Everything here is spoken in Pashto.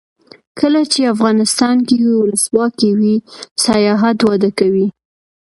کله چې افغانستان کې ولسواکي وي سیاحت وده کوي.